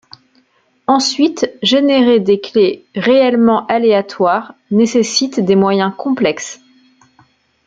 Ensuite générer des clés réellement aléatoires nécessite des moyens complexes.